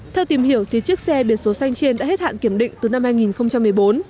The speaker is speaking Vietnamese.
theo tìm hiểu thì chiếc xe biển số xanh trên đã hết hạn kiểm định từ năm hai nghìn một mươi bốn